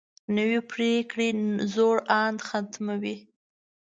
نوې پریکړه زوړ اند ختموي